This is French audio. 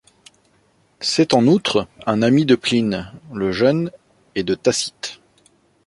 C'est en outre un ami de Pline le Jeune et de Tacite.